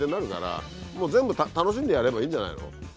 もう全部楽しんでやればいいんじゃないの？